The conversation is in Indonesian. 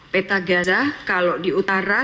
peta garah kalau di utara